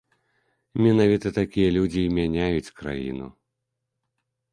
Менавіта такія людзі і мяняюць краіну.